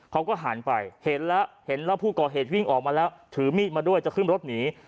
เขาก็หันไปเห็นแล้วเห็นแล้วผู้ก่อเหตุวิ่งออกมาแล้วถือมีดมาด้วยจะขึ้นรถหนี